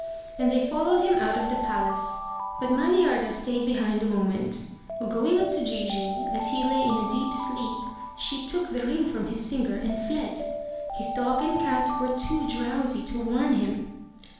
'* And they followed him out of the palace. But Maliarda stayed behind a moment; going up to Gigi, as he lay in a deep sleep, she took the ring from his finger and fled. His dog and cat were too drowsy to warn him.